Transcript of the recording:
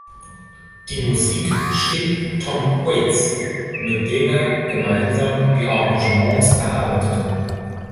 Die Musik schrieb Tom Waits, mit dem er gemeinsam die Arrangements erarbeitete.